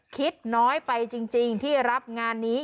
คิดน้อยไปจริงที่รับงานนี้